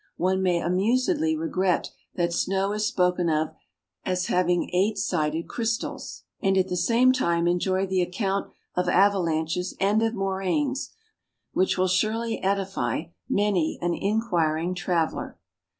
One may amusedly regret that snow is spoken of as having eight sided crystals (p. 56), and at the same time enjoy the account of avalanches and of moraines, which will surely edify many an inquiring traveler.